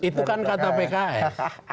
itu kan kata pks